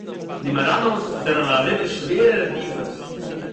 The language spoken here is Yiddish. "די "מאַראַנאָס" זענען אַריבער שווערע רדיפות"